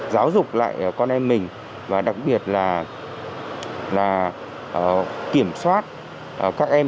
giáo dục lại con em mình và đặc biệt là kiểm soát các em